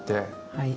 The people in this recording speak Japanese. はい。